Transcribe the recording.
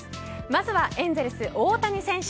まずは、エンゼルス大谷選手。